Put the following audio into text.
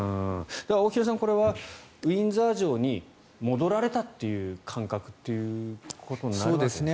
大平さんこれはウィンザー城に戻られた感覚ということになるんですね。